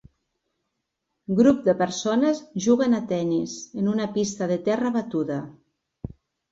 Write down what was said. Grup de persones juguen a tennis en una pista de terra batuda.